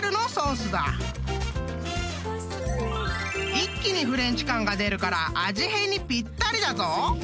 ［一気にフレンチ感が出るから味変にぴったりだぞ！］